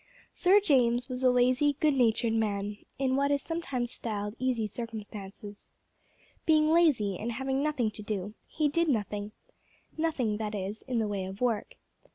Sir James was a lazy, good natured man, in what is sometimes styled easy circumstances. Being lazy, and having nothing to do, he did nothing nothing, that is, in the way of work.